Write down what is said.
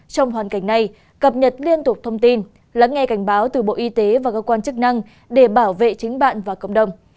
trong hoàn cảnh này cập nhật liên tục thông tin lắng nghe cảnh báo từ bộ y tế và cơ quan chức năng để bảo vệ chính bạn và cộng đồng